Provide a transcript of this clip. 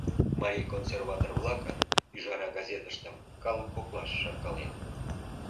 Марий консерватор-влакын «Ӱжара» газетыштым калык коклаш шаркален.